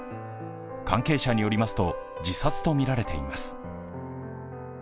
関係者によりますと自殺とみられています。